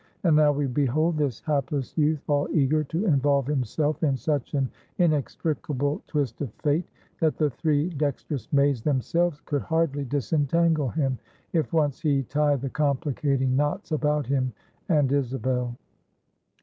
And now we behold this hapless youth all eager to involve himself in such an inextricable twist of Fate, that the three dextrous maids themselves could hardly disentangle him, if once he tie the complicating knots about him and Isabel.